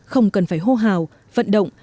không cần phải hô hào vận động